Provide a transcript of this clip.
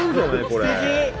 これ。